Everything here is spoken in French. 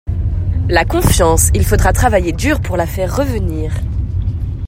La confiance, il faudra travailler dur pour la faire revenir.